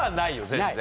全然。